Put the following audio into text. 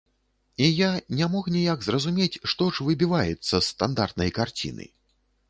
І я не мог ніяк зразумець, што ж выбіваецца з стандартнай карціны.